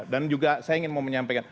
dan juga saya ingin mau menyampaikan